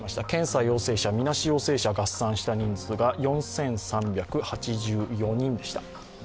検査陽性者、みなし陽性者合算した人数が４３８４人でした。